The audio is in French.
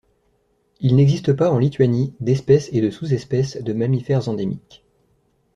Il n'existe pas en Lituanie d'espèces et de sous-espèces de mammifères endémiques.